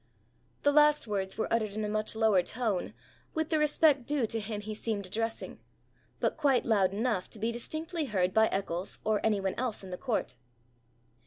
The last words were uttered in a much lower tone, with the respect due to him he seemed addressing, but quite loud enough to be distinctly heard by Eccles or any one else in the court.